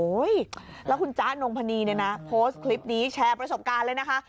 แล้วคุณจ๊ะนงพนีเนี่ยนะโพสต์คลิปนี้แชร์ประสบการณ์เลยนะคะ